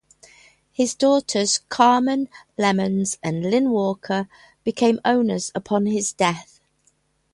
His daughters Carmen Lemons and Lynn Walker became owners upon his death.